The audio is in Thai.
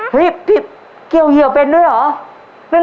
พี่เกี่ยวเหยื่อเป็นด้วยเหรอ